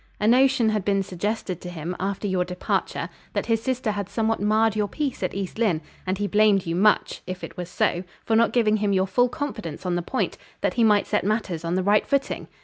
A notion had been suggested to him, after your departure, that his sister had somewhat marred your peace at East Lynne, and he blamed you much, if it was so, for not giving him your full confidence on the point, that he might set matters on the right footing.